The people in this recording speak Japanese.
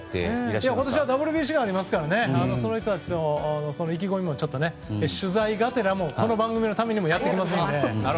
今年はＷＢＣがありますからその人たちの意気込みも取材がてらこの番組のためにもやってきますので。